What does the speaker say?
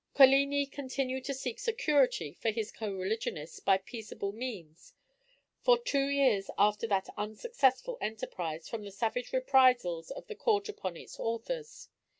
Coligni continued to seek security for his co religionists by peaceable means, for two years after that unsuccessful enterprise, from the savage reprisals of the Court upon its authors.